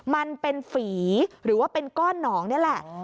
มันเป็นฝีหรือว่าเป็นก้อนหนองนี่แหละ